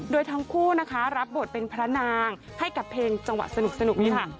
โดยทั้งคู่นะคะรับบทเป็นพระนางให้กับเพลงจังหวะสนุกนี้ค่ะ